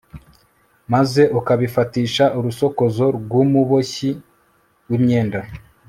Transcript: maze ukabifatisha urusokozo rw'umuboshyi w'imyenda